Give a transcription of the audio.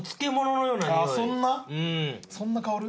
そんな香る？